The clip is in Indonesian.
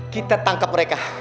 kita tangkap mereka